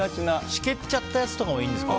しけっちゃったやつとかでもいいんですか。